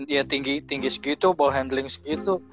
ya tinggi tinggi segitu ball handling segitu